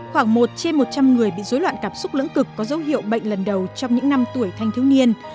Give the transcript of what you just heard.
khoảng một trên một trăm linh người bị dối loạn cảm xúc lưỡng cực có dấu hiệu bệnh lần đầu trong những năm tuổi thanh thiếu niên